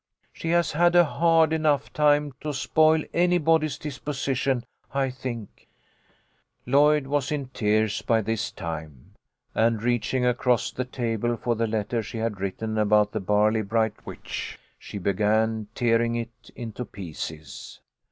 She has had a hard enough time to spoil anybody's disposition, I think." Lloyd was in tears by this time, and reaching across the table for the letter she had written about 88 THE LITTLE COLONEL'S HOLIDAYS. the Barley bright witch, she began tearing it into pieces.